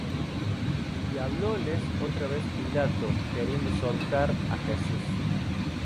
Y hablóles otra vez Pilato, queriendo soltar á Jesús.